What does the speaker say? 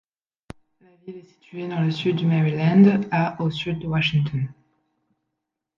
La ville est située dans le sud du Maryland, à au sud de Washington.